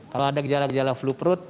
kalau ada gejala gejala flu perut